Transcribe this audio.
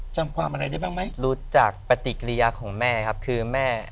จำความอะไรได้บ้างไหมรู้จักปฏิกิริยาของแม่ครับคือแม่